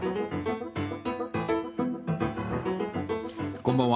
こんばんは。